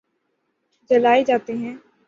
جلائے جاتے ہیں